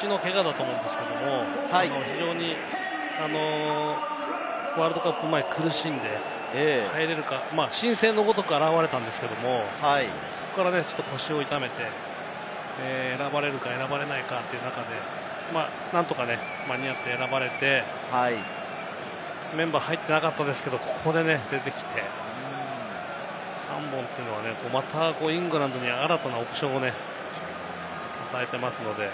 彼も腰のけがだと思うんですけれども、たぶん、非常にワールドカップ前に苦しんで入れるか、新星のごとく現れたんですけれども、そこからちょっと腰を痛めて、選ばれるか選ばれないかという、何とか間に合って選ばれて、メンバーに入ってなかったですけど、ここで出てきて３本というのは、またイングランドに新たなオプションを与えていますので。